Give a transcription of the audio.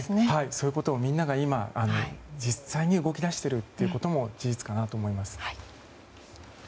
そういうことをみんなが今、実際に動き出しているのも事実かなと思います。